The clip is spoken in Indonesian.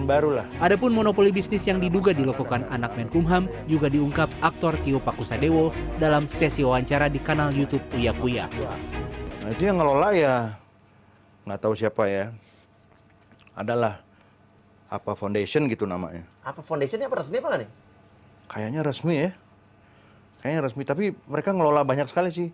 ada pun monopoli bisnis yang diduga dilokokkan anak menkumham juga diungkap aktor tio pakusadewo dalam sesi wawancara di kanal youtube uyak uyak